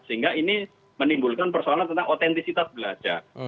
sehingga ini menimbulkan persoalan tentang otentisitas belajar